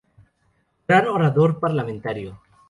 Gran orador parlamentario.